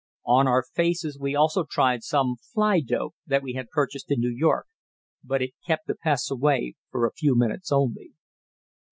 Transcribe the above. On our faces we also tried some "fly dope" that we had purchased in New York, but it kept the pests away for a few minutes only.